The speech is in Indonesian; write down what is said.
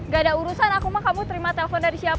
gak ada urusan aku mah kamu terima telepon dari siapa